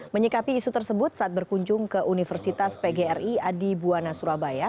menyikapi isu tersebut saat berkunjung ke universitas pgri adi buwana surabaya